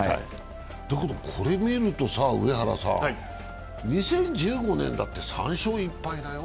だけどこれ見ると、２０１５年だって３勝１敗だよ。